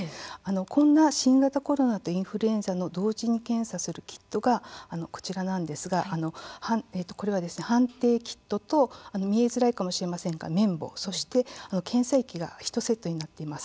こんな、新型コロナとインフルエンザの同時に検査するキットがこちらなんですがこれは判定キットと見えづらいかもしれませんが綿棒そして、検査液が１セットになっています。